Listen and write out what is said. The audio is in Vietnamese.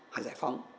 hay là giải phóng